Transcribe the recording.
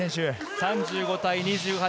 ３５対２８。